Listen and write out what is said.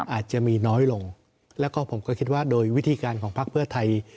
อาจจะมีน้อยลงแล้วก็ผมก็คิดว่าโดยวิธีการของพักเพื่อไทย